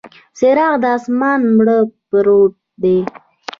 څراغ د اسمان، مړ پروت دی